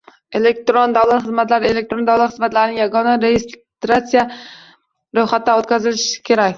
Elektron davlat xizmatlari Elektron davlat xizmatlarining yagona reyestrida ro‘yxatdan o‘tkazilishi kerak.